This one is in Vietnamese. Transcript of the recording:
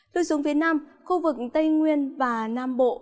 lưu xuống phía nam khu vực tây nguyên và nam bộ